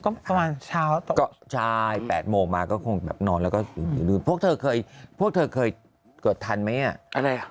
ก็ประมาณเช้าตอนก็ใช่๘โมงมาก็คงแบบนอนแล้วก็พวกเธอเคยพวกเธอเคยเกิดทันไหมอ่ะอะไรอ่ะ